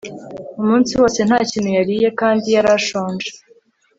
umunsi wose nta kintu yariye kandi yari ashonje